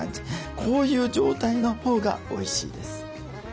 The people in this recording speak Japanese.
こういう状態のほうがおいしいです。